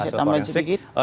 boleh saya tambahin sedikit